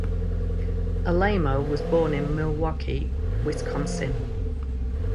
Alaimo was born in Milwaukee, Wisconsin.